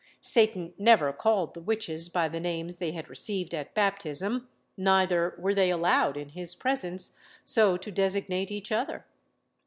Satan never called the witches by the names they had received at baptism; neither were they allowed, in his presence, so to designate each other.